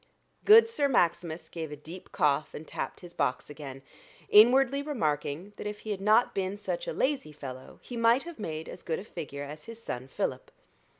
Good Sir Maximus gave a deep cough and tapped his box again, inwardly remarking, that if he had not been such a lazy fellow he might have made as good a figure as his son Philip.